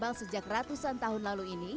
memang sejak ratusan tahun lalu ini